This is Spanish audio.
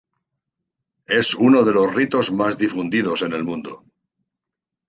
Es uno de los ritos más difundidos en el mundo.